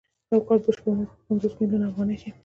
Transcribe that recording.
د یو کال بشپړ مزد به یې پنځوس میلیونه افغانۍ شي